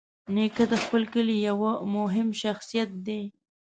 نیکه د خپل کلي یوه مهمه شخصیت دی.